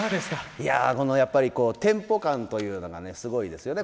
いやこのやっぱりテンポ感というのがすごいですよね。